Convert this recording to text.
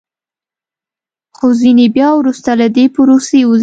خو ځینې بیا وروسته له دې پروسې وځي